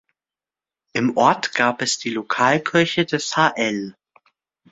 Im Ort gab es die Lokalkirche des hl.